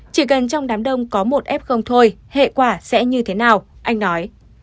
chỉ cần trong đám đông có một f thôi hệ quả sẽ như thế nào anh nói